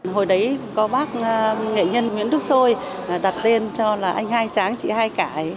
hồi đấy có bác nghệ nhân nguyễn đức xôi đặt tên cho là anh hai tráng chị hai cải